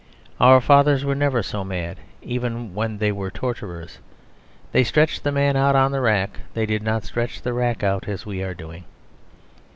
Our fathers were never so mad, even when they were torturers. They stretched the man out on the rack. They did not stretch the rack out, as we are doing.